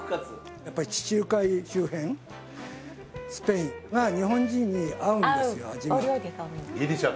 やっぱり地中海周辺スペインが日本人に合うんですよ味が。